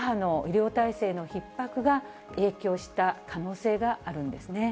第５波の医療体制のひっ迫が影響した可能性があるんですね。